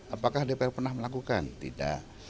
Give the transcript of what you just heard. apakah dpr pernah melakukan tidak